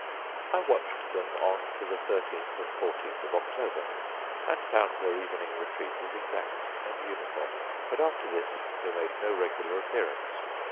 I watched them on to the thirteenth and fourteenth of October, and found their evening retreat was exact and uniform; but after this they made no regular appearance.